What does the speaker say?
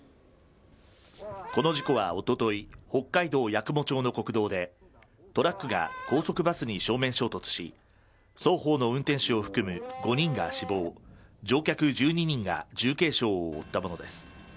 この事故はおととい、北海道八雲町の国道で、トラックが高速バスに正面衝突し、双方の運転手を含む５人が死亡、乗客１２人が重軽傷を負ったものです。